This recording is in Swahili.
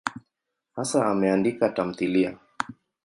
Hasa ameandika tamthiliya.